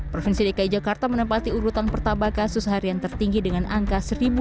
provinsi dki jakarta menempati urutan pertambah kasus harian tertinggi dengan angka satu lima puluh lima